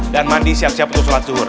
dan mandi siap siap untuk sholat zuhur